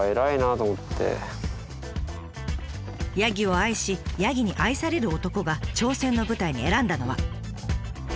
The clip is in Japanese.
ヤギを愛しヤギに愛される男が挑戦の舞台に選んだのは。